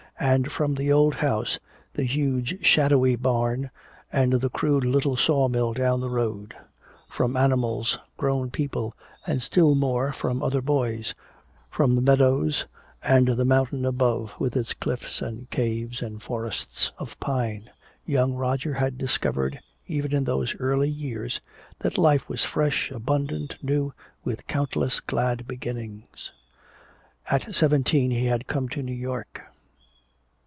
And from the old house, the huge shadowy barn and the crude little sawmill down the road; from animals, grown people and still more from other boys, from the meadows and the mountain above with its cliffs and caves and forests of pine, young Roger had discovered, even in those early years, that life was fresh, abundant, new, with countless glad beginnings. At seventeen he had come to New York.